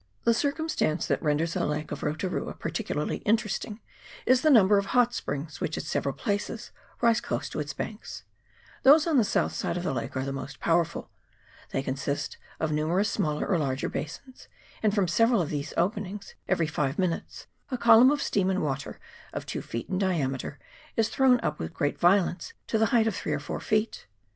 The circumstance that renders the lake of Rotu rua particularly interesting is the number of hot springs which at several places rise close to its banks : those on the south side of the lake are the most powerful ; they consist of numerous smaller or larger basins, and from several of the openings every five minutes a column of steam and water, of two feet in diameter, is thrown up with great violence to the height of three or four feet.